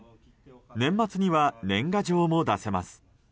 年末には年賀状も出せます。